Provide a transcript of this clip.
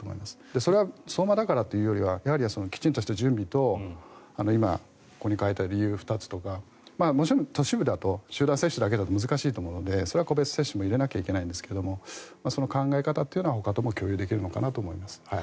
それは相馬だからというよりはきちんとした準備と今、ここに書いてある理由２つとかもちろん都市部だと集団接種だけでは難しいと思うのでそれは個別接種も入れないといけないと思うんですがその考え方というのはほかとも共有できるのかなと思います。